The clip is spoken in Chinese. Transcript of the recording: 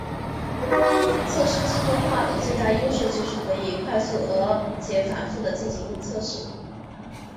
测试自动化的最大优势就是可以快速而且反覆的进行测试。